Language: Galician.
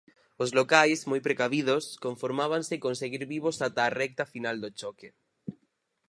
Os locais, moi precavidos, conformábanse con seguir vivos ata a recta final do choque.